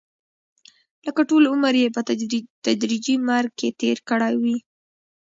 لکه ټول عمر یې په تدریجي مرګ کې تېر کړی وي.